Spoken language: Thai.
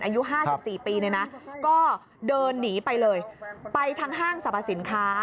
อายุ๕๔ปีเนี่ยนะก็เดินหนีไปเลยไปทางห้างสรรพสินค้า